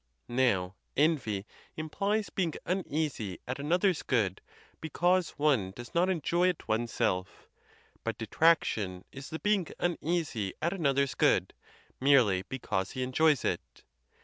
Now, envy implies being uneasy at another's good because one does not enjoy it one's self; but detraction is the being uneasy at another's good, merely because he enjoys it.